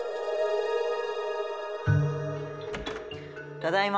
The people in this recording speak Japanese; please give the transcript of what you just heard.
ただいま。